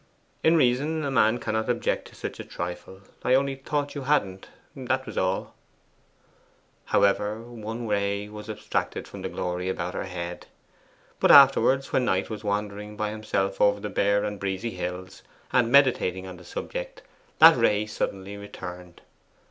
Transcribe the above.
In reason, a man cannot object to such a trifle. I only thought you hadn't that was all.' However, one ray was abstracted from the glory about her head. But afterwards, when Knight was wandering by himself over the bare and breezy hills, and meditating on the subject, that ray suddenly returned.